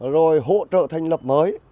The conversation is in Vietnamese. rồi hỗ trợ thành lập mới